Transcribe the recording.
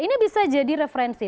ini bisa jadi referensi